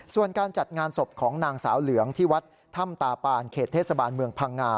ส่วนการจัดงานศพของนางสาวเหลืองที่วัดถ้ำตาปานเขตเทศบาลเมืองพังงา